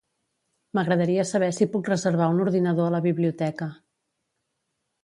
M'agradaria saber si puc reservar un ordinador a la biblioteca.